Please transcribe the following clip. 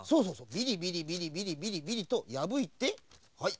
ビリビリビリビリビリビリとやぶいてはい